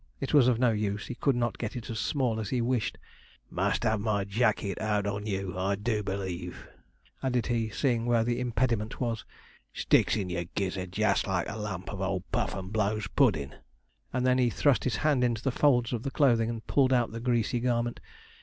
It was of no use, he could not get it as small as he wished 'Must have my jacket out on you, I do believe,' added he, seeing where the impediment was; 'sticks in your gizzard just like a lump of old Puff and blow's puddin''; and then he thrust his hand into the folds of the clothing, and pulled out the greasy garment.